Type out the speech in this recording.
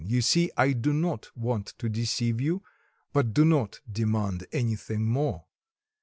You see, I do not want to deceive you; but do not demand anything more.